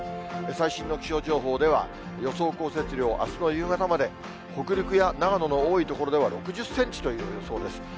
最新の気象情報では、予想降雪量、あすの夕方まで、北陸や長野の多い所では６０センチという予想です。